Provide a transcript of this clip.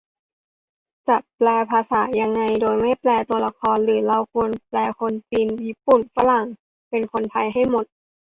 จะแปลภาษายังไง โดยไม่แปลตัวละคร - หรือเราควรแปลคนจีน ญี่ปุ่น ฝรั่ง เป็นคนไทยให้หมด ?